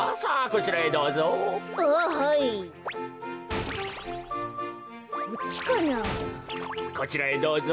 こちらへどうぞ。